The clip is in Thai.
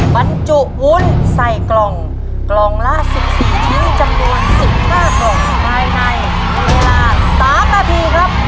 บรรจุวุ้นใส่กล่องกล่องละ๑๔ชิ้นจำนวน๑๕กล่องภายในเวลา๓นาทีครับ